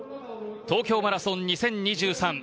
東京マラソン２０２３